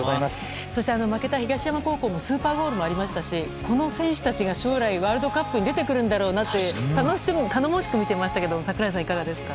そして負けた東山高校もスーパーゴールがありましたしこの選手たちが将来ワールドカップに出てくるんだろうなと頼もしく見ていましたが櫻井さん、どうでしたか？